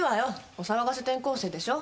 お騒がせ転校生でしょ。